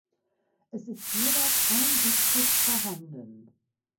Es ist jeweils ein Diskus vorhanden.